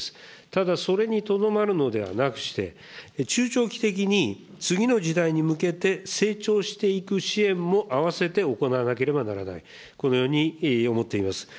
ただ、それにとどまるのではなくして中長期的に次の時代に向けて、成長していく支援も併せて行わなければならない、このように思っています。